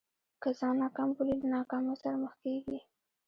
که ځان ناکام بولې له ناکامۍ سره مخ کېږې.